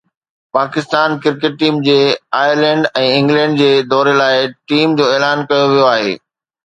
Pakistan cricket team جي Ireland ۽ England جي دوري لاءِ ٽيم جو اعلان ڪيو ويو آهي